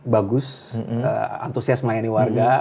bagus antusias melayani warga